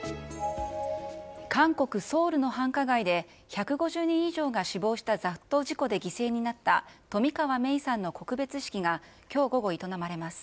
韓国・ソウルの繁華街で、１５０人以上が死亡した雑踏事故で犠牲になった冨川芽生さんの告別式がきょう午後、営まれます。